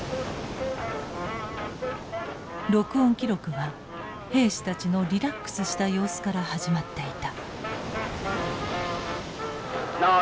録音記録は兵士たちのリラックスした様子から始まっていた。